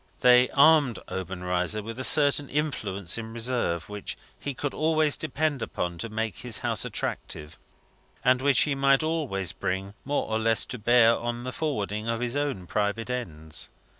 They armed Obenreizer with a certain influence in reserve, which he could always depend upon to make his house attractive, and which he might always bring more or less to bear on the forwarding of his own private ends.